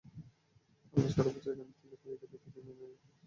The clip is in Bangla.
আমরা সারা বছর এখান থেকেই পাইকারিতে কিনে এলাকায় খুচরা বিক্রি করি।